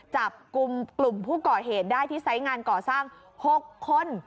จับกลุ่มกลุ่มผู้ก่อเหตุได้ที่ไซส์งานก่อสร้าง๖คน